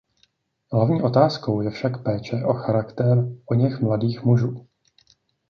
Hlavní otázkou je však péče o charakter oněch mladých mužů.